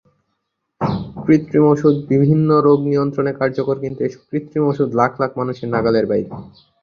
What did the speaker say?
কৃত্রিম ওষুধ বিভিন্ন রোগ নিয়ন্ত্রণে কার্যকর কিন্তু এসব কৃত্রিম ওষুধ লাখ লাখ মানুষের নাগালের বাইরে।